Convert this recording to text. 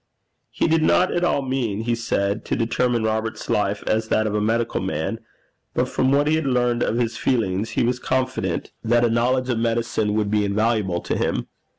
He did not at all mean, he said, to determine Robert's life as that of a medical man, but from what he had learned of his feelings, he was confident that a knowledge of medicine would be invaluable to him.